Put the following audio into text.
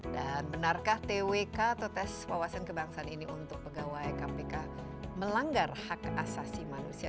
dan benarkah twk atau tes wawasan kebangsaan ini untuk pegawai kpk melanggar hak asasi manusia